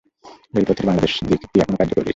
রেলপথের বাংলাদেশী দিকটি এখনও কার্যকর রয়েছে।